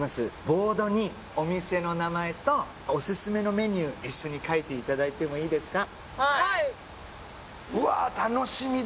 ボードにお店の名前とオススメのメニュー一緒に書いていただいてもいいですか？